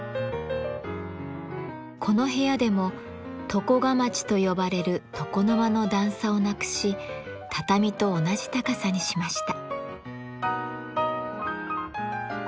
この部屋でも「床框」と呼ばれる床の間の段差をなくし畳と同じ高さにしました。